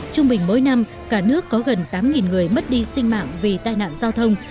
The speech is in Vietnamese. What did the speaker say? trung bình mỗi năm cả nước có gần tám người mất đi sinh mạng vì tai nạn giao thông